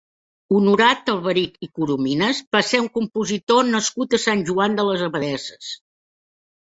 Honorat Alberich i Corominas va ser un compositor nascut a Sant Joan de les Abadesses.